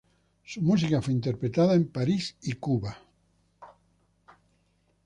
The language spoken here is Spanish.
Su música fue interpretada en París y Cuba.